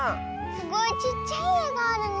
すごいちっちゃいえがあるね。